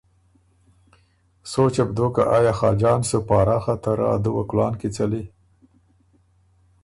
سوچه بو دوک که آیا خاجان سُو پاراخه ته رۀ ا دُوه کلان کی څَلی۔